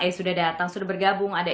yang sudah datang sudah bergabung ada